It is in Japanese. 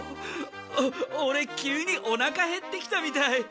オオレ急におなかへってきたみたい。